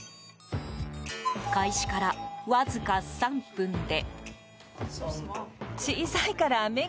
開始から、わずか３分で。